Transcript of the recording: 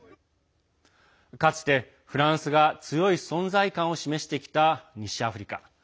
かつて、フランスが強い存在感を示してきた西アフリカ。